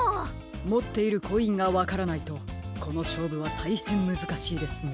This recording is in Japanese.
もっているコインがわからないとこのしょうぶはたいへんむずかしいですね。